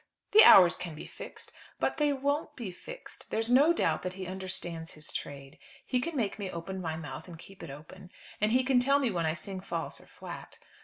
"The hours can be fixed." "But they won't be fixed. There's no doubt that he understands his trade. He can make me open my mouth and keep it open. And he can tell me when I sing false or flat.